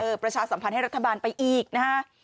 ประชาสัมพันธ์ให้รัฐบาลไปอีกนะฮะ